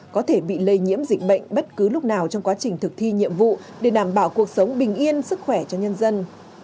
có thể bị lây nhiễm dịch bệnh bất cứ lúc nào trong quá trình thực thi nhiệm vụ để đảm bảo cuộc sống bình yên sức khỏe cho nhân dân